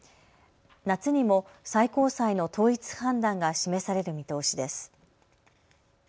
夏にも最高裁の統一判断が示される見通しです。